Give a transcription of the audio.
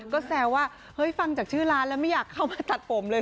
ก็แซวว่าเฮ้ยฟังจากชื่อร้านแล้วไม่อยากเข้ามาตัดผมเลย